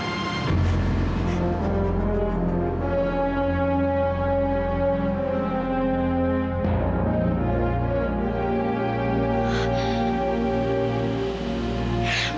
gak seperti ibu kandung aku